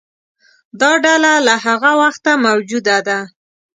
دا ډله له هغه وخته موجوده ده.